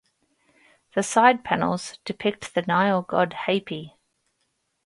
The side panels depict the Nile god Hapy.